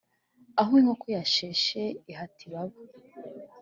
Aho inkoko yasheshe ihata ibaba.